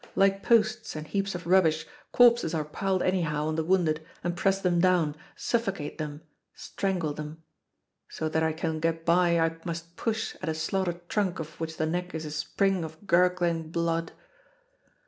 Like posts and heaps of rubbish, corpses are piled anyhow on the wounded, and press them down, suffocate them, strangle them. So that I can get by, I must push at a slaughtered trunk of which the neck is a spring of gurgling blood.